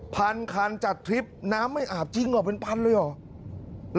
พันคันจัดทริปน้ำไม่อาบจริงเหรอเป็นพันเลยเหรอ